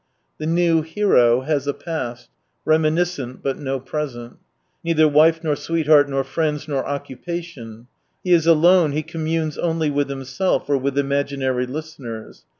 The new hero has a past — reminiscent — but no present ; neither wife, nor sweetheart, nor friends, nor occupation. He is alone, he communes only with himself or with imaginary listeners.